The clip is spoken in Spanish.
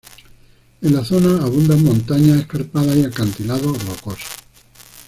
En la zona abundan montañas escarpadas y acantilados rocosos.